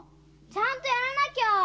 ちゃんとやらなきゃ！